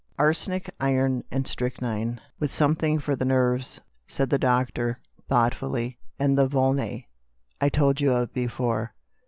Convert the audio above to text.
" Arsenic, iron, and strychnine, with some thing for the nerves," said the doctor thought fully ;" and the Volnay I told you of before.